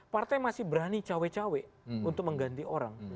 partai masih berani cawe cawe untuk mengganti orang